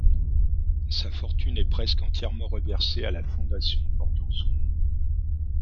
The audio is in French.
Sa fortune est presque entièrement reversée à la fondation portant son nom.